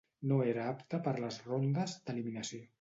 No era apte per les rondes d'eliminació.